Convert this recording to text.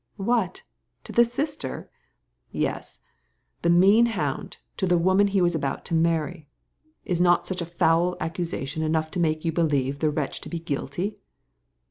"What! to the sister?" "Yes I the mean hound, to the woman he was about to marry. Is not such a foul accusation enough to make you believe the wretch to be guilty?"